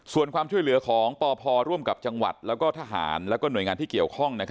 ส่วนความช่วยเหลือของปพร่วมกับจังหวัดและทหารและหน่วยงานที่เกี่ยวข้อง